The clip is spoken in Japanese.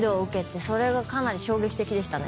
それがかなり衝撃的でしたね。